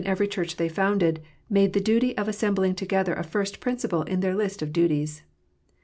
Church they founded, made the duty of assembling together a first principle in their list of duties.